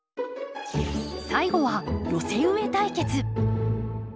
最後は寄せ植え対決。